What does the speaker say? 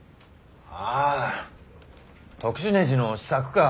ああ特殊ねじの試作か。